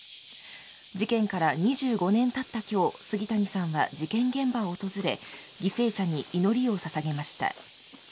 事件から２５年たったきょう、杉谷さんは事件現場を訪れ、犠牲者に祈りをささげました。